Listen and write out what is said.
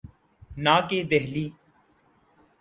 نہ کہ دہلی۔